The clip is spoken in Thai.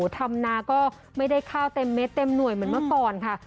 ทำนาก็ไม่ได้ข้าวเต็มเม็ดเต็มหน่วยเหมือนเมื่อก่อนค่ะ